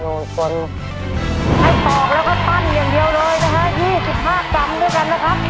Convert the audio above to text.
ให้ปอกและก็ปั้นอย่างเดียวยี่สิบห้ากลางด้วยกันนะครับ